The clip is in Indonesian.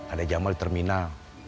ada jamal di terminal